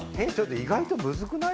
意外とムズくない？